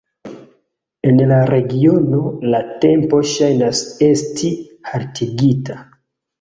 En la regiono la tempo ŝajnas esti haltigita.